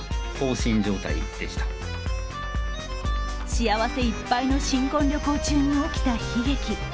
幸せいっぱいの新婚旅行中に起きた悲劇。